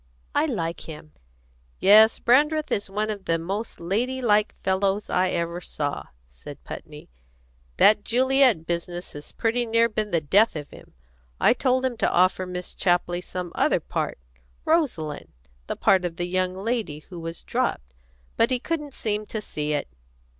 I like him." "Yes, Brandreth is one of the most lady like fellows I ever saw," said Putney. "That Juliet business has pretty near been the death of him. I told him to offer Miss Chapley some other part Rosaline, the part of the young lady who was dropped; but he couldn't seem to see it.